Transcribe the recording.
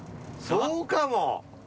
そうかも！